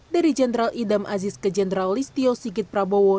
dari jendral idam aziz ke jendral listio sigit prabowo